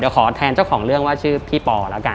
เดี๋ยวขอแทนเจ้าของเรื่องว่าชื่อพี่ปอแล้วกัน